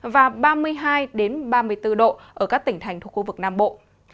và ba mươi hai ba mươi bốn độ ở các tỉnh thành thuộc khu vực nam bộ